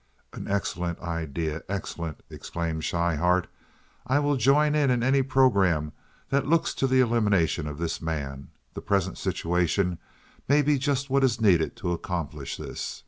"An excellent idea—excellent!" exclaimed Schryhart. "I will join in any programme that looks to the elimination of this man. The present situation may be just what is needed to accomplish this.